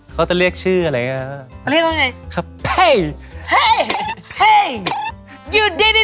เขาจะเรียกชื่ออะไรอย่างนี้